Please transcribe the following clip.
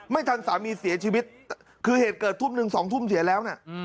สามีเสียชีวิตคือเหตุเกิดทุ่มหนึ่งสองทุ่มเสียแล้วนะ